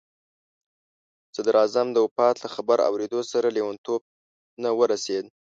صدراعظم د وفات له خبر اورېدو سره لیونتوب ته ورسېد.